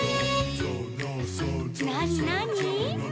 「なになに？」